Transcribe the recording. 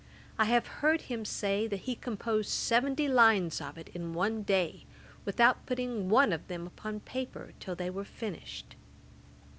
I have heard him say, that he composed seventy lines of it in one day, without putting one of them upon paper till they were finished.